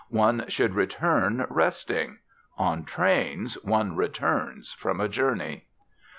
One should return resting. On trains one returns from a journey.